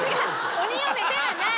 鬼嫁ではない。